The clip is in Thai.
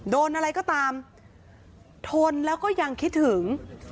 โดนอะไรก็ตามทนแล้วก็ยังคิดถึง